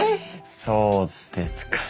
そうですかね。